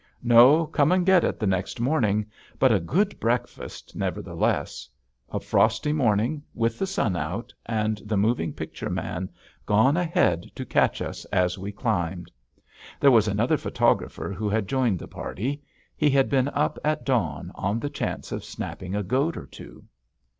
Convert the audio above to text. No "Come and get it" the next morning, but a good breakfast, nevertheless: a frosty morning, with the sun out, and the moving picture man gone ahead to catch us as we climbed. There was another photographer who had joined the party. He had been up at dawn, on the chance of snapping a goat or two.